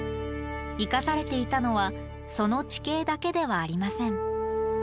生かされていたのはその地形だけではありません。